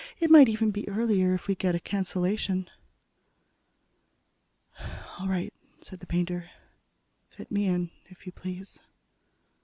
"It might even be earlier, if we get a cancellation." "All right," said the painter, "fit me in, if you please."